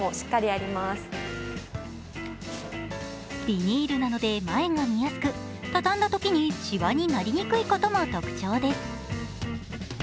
ビニールなので前が見えやすく畳んだときに、しわになりにくいことも特徴です。